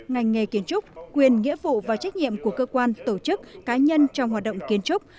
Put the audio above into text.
ngành nghề kiến trúc quyền nghĩa vụ và trách nhiệm của cơ quan tổ chức cá nhân trong hoạt động kiến trúc